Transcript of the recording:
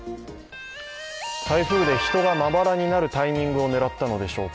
台風で人がまばらになるタイミングを狙ったのでしょうか。